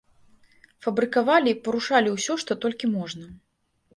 Фабрыкавалі і парушалі ўсё, што толькі можна.